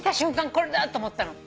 これだと思ったの。